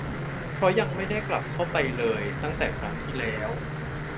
เพราะยังไม่ได้กลับเข้าไปเลยตั้งแต่ครั้งที่แล้ว